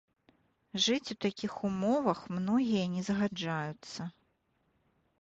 Жыць у такіх умовах многія не згаджаюцца.